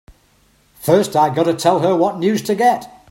First I gotta tell her what news to get!